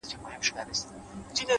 علم د بریا لاره ده